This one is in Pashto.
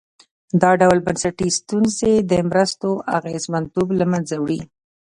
دا ډول بنسټي ستونزې د مرستو اغېزمنتوب له منځه وړي.